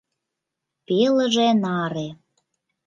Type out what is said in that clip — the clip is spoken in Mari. — Пелыже наре...